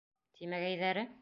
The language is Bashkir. — Тимәгәйҙәре.